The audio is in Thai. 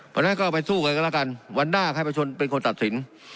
เพราะฉะนั้นก็เอาไปสู้กันก็แล้วกันวันหน้าให้ประชนเป็นคนตัดสิน